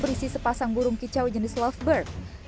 berisi sepasang burung kicau jenis lovebird